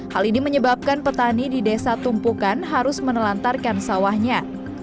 hal ini menyebabkan petani di desa tumpukan harus menelantarkan sawahnya